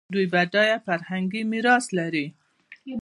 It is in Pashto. دوی بډایه فرهنګي میراث لري.